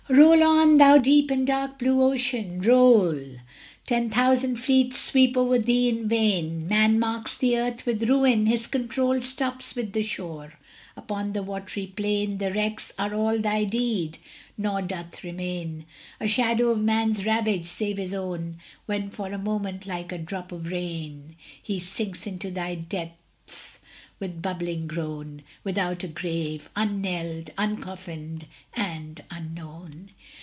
Roll on, thou deep and dark blue Ocean roll! Ten thousand fleets sweep over thee in vain; Man marks the earth with ruin his control Stops with the shore; upon the watery plain The wrecks are all thy deed, nor doth remain A shadow of man's ravage, save his own, When for a moment, like a drop of rain, He sinks into thy depths with bubbling groan, Without a grave, unknelled, uncoffined, and unknown.